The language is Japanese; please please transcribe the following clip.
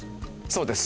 そうです。